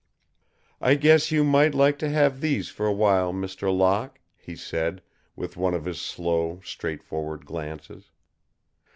"I guess you might like to have these for a while, Mr. Locke," he said, with one of his slow, straightforward glances.